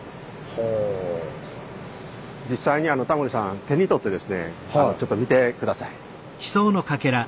実際にタモリさん手に取ってですねちょっと見て下さい。